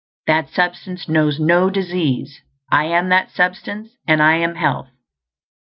_ _That Substance knows no disease; I am that Substance, and I am Health.